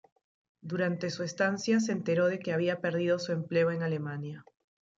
Durante su estancia se enteró de que había perdido su empleo en Alemania.